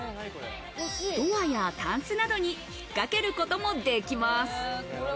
ドアやタンスなどに引っかけることもできます。